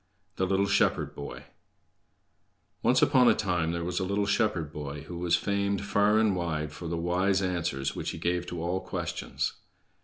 The Little Shepherd Boy Once upon a time there was a little shepherd boy who was famed far and wide for the wise answers which he gave to all questions.